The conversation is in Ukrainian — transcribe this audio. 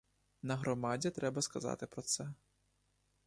На громаді треба сказати про це.